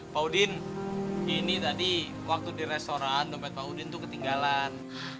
pak udin ini tadi waktu di restoran dompet pak udin tuh ketinggalan